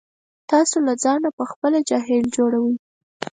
تاسې له ځانه په خپله جاهل جوړوئ.